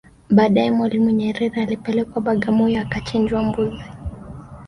Baadae Mwalimu Nyerere alipelekwa Bagamoyo akachinjwa mbuzi